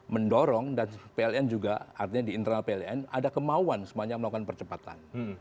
mendorong dan pln juga artinya di internal pln ada kemauan semuanya melakukan percepatan